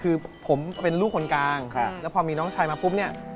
คือผมเป็นลูกคนกลางแล้วพอมีน้องชายมาปุ๊บเนี่ย